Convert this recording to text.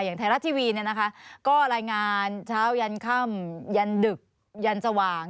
อย่างไทยรัฐทีวีก็รายงานเช้ายันค่ำยันดึกยันสว่าง